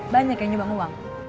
banyak yang nyumbang uang